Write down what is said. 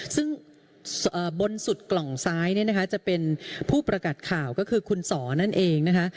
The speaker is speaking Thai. ซึ่งบนสุดกล่องซ้ายเนี่ยนะคะจะเป็นผู้ประกาศข่าวก็คือคุณสอนั่นเองนะคะ